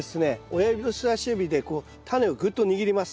親指と人さし指でタネをぐっと握ります。